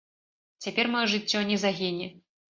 Цяпер маё жыццё не загіне.